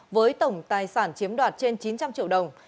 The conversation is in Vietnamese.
với tổng tài sản chiếm đoạt trên chín trăm linh triệu đồng